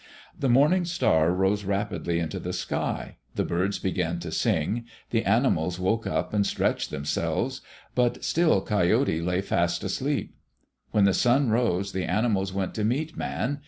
The morning star rose rapidly into the sky. The birds began to sing. The animals woke up and stretched themselves, but still Coyote lay fast asleep. When the sun rose, the animals went to meet Man.